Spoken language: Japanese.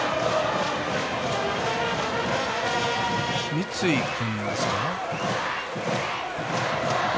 三井君ですね。